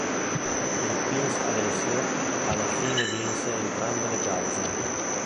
Il Prince Alessio alla fine vinse entrambe le cause.